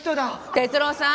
哲郎さん